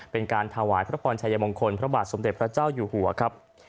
เป็นการถวายพระพรชัยมงคลพระบาทสมเด็จพระเจ้าอยู่หัวครับ